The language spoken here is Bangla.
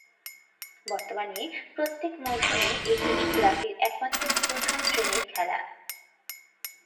বর্তমানে প্রত্যেক মৌসুমে এটিই ক্লাবটির একমাত্র প্রথম-শ্রেণীর খেলা।